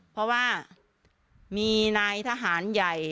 เพราะว่ามีนายทหารใหญ่